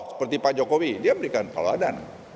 seperti pak jokowi dia berikan kalau ada